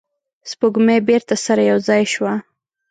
سپوږمۍ بیرته سره یو ځای شوه.